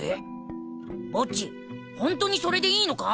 ボッジホントにそれでいいのか？